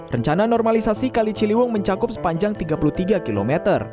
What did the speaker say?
rencana normalisasi kali ciliwung mencakup sepanjang tiga puluh tiga km